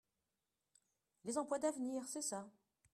Les emplois d’avenir, c’est ça.